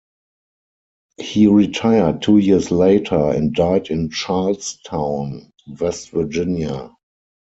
He retired two years later and died in Charles Town, West Virginia.